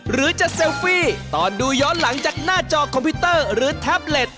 หรือจะเซลฟี่ตอนดูย้อนหลังจากหน้าจอคอมพิวเตอร์หรือแท็บเล็ต